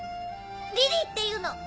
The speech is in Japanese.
リリーっていうの！